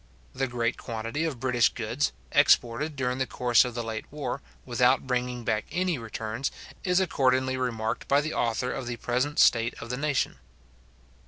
The great quantity of British goods, exported during the course of the late war, without bringing back any returns, is accordingly remarked by the author of the Present State of the Nation.